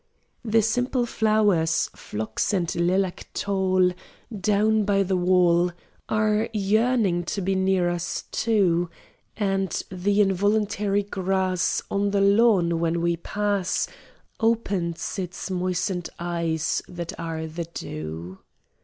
The simple flowers, phlox and lilac tall, Down by the wall, Are yearning to be near us too, And the involuntary grass, On the lawn when we pass, Opens its moistened eyes that are the dew.